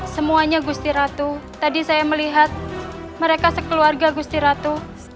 semuanya gusti ratu tadi saya melihat mereka sekeluarga gusti ratu